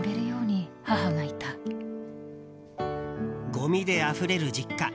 ごみであふれる実家。